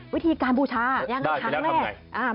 วิธีการบูชายังไงครั้งแรก